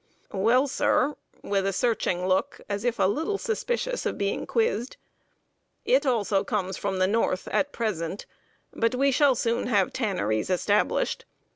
"Well, sir" (with a searching look, as if a little suspicious of being quizzed), "it also comes from the North, at present; but we shall soon have tanneries established.